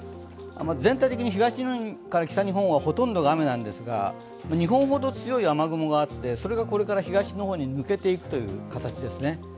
全体的に東日本から北日本はほとんどが雨なんですが２本ほど強い雨雲があってそれがこれから東の方へ抜けていく形ですね。